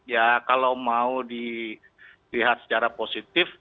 ya kalau mau dilihat secara positif